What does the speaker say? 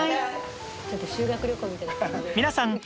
ちょっと修学旅行みたいな感じで。